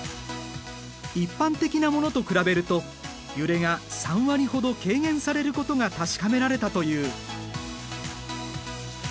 一般的なものと比べると揺れが３割ほど軽減されることが確かめられたという。